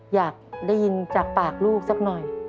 อยากได้ยินจากปากลูกสักหน่อย